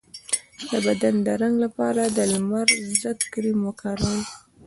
د بدن د رنګ لپاره د لمر ضد کریم وکاروئ